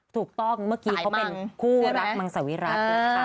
ถูกต้องเมื่อกี้เขาเป็นคู่รักมังสวิรัตินะคะ